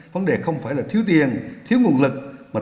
vấn đề không phải là thiếu tiền thiếu nguồn lực